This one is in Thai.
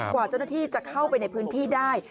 กว่าเจ้าหน้าที่จะเข้าไปในพื้นที่ได้